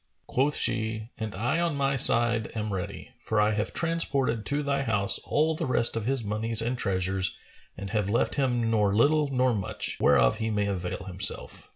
Quoth she, "And I on my side am ready; for I have transported to thy house all the rest of his monies and treasures and have left him nor little nor much, whereof he may avail himself.